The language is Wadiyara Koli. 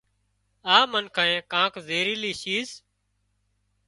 آ منکانئي ڪانڪ زهيريلي شيز